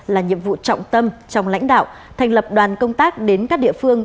là nhiệm vụ trọng tâm trong lãnh đạo thành lập đoàn công tác đến các địa phương